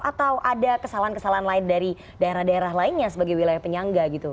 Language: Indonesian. atau ada kesalahan kesalahan lain dari daerah daerah lainnya sebagai wilayah penyangga gitu